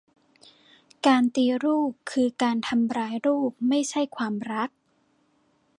การตีลูกคือการทำร้ายลูก ไม่ใช่ความรัก